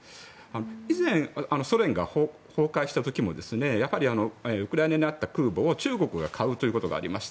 以前、ソ連が崩壊した時もウクライナにあった空母を中国が買うということがありました。